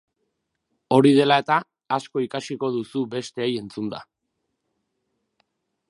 Hori dela eta, asko ikasiko duzu besteei entzunda.